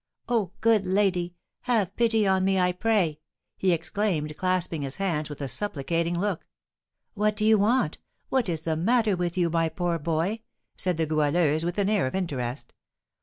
"Oh, good lady, have pity on me, I pray!" he exclaimed, clasping his hands with a supplicating look. "What do you want? What is the matter with you, my poor boy?" said the Goualeuse, with an air of interest.